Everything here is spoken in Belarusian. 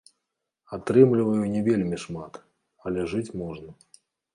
Атрымліваю не вельмі шмат, але жыць можна.